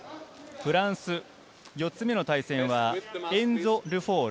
フランス、４つ目の対戦は、エンゾ・ルフォール。